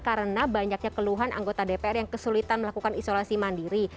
karena banyaknya keluhan anggota dpr yang kesulitan melakukan isolasi mandiri